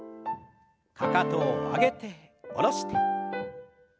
かかとを上げて下ろして。